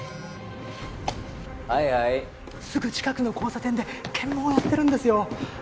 はいはいすぐ近くの交差点で検問をやってるんですよ